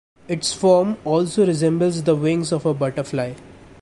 Its form also resembles the wings of a butterfly.